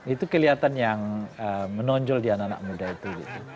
itu kelihatan yang menonjol di anak anak muda itu